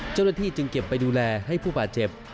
เจ้าหน้าที่จึงเก็บไปดูแลให้ผู้บาดเจ็บ